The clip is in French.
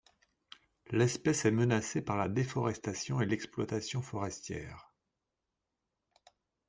L'espèce est menacée par la déforestation et l'exploitation foretière.